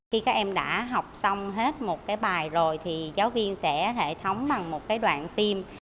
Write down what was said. khi các em đã học xong hết một bài rồi giáo viên sẽ thể thống bằng một đoạn phim